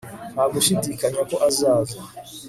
Nta gushidikanya ko azaza